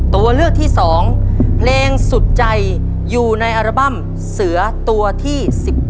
ตัวเลือกที่๒เพลงสุดใจอยู่ในอัลบั้มเสือตัวที่๑๗